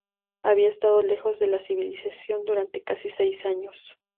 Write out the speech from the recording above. Había estado lejos de la civilización durante casi seis años.